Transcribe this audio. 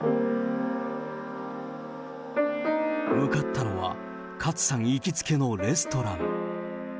向かったのは、勝さん行きつけのレストラン。